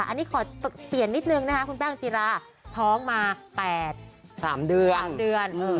อันนี้ขอเปลี่ยนนิดนึงนะคะคุณแป้งศิราท้องมา๘๓เดือน๓เดือน